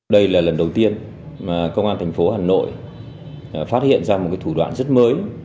đây là lần đầu tiên công an thành phố hà nội phát hiện ra một thủ đoạn rất mới